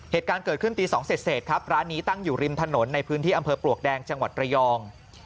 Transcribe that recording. เหตุการณ์เกิดขึ้นตี๒เสร็จครับร้านนี้ตั้งอยู่ริมถนนในพื้นที่อำเภอปลวกแดงจังหวัดระยอง